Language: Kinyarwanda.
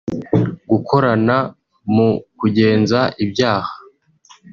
gukorana mu kugenza ibyaha